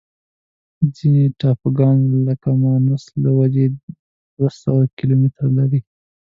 ځینې ټاپوګان لکه مانوس له وچې دوه سوه کیلومتره لري.